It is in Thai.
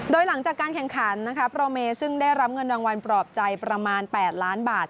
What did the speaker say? โดยหลังจากการแข่งขันนะคะโปรเมซึ่งได้รับเงินรางวัลปลอบใจประมาณ๘ล้านบาท